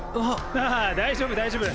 ああ大丈夫大丈夫。